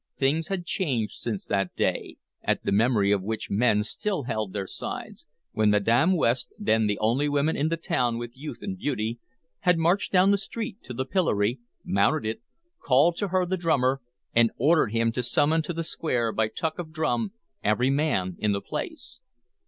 Things had changed since that day at the memory of which men still held their sides when Madam West, then the only woman in the town with youth and beauty, had marched down the street to the pillory, mounted it, called to her the drummer, and ordered him to summon to the square by tuck of drum every man in the place.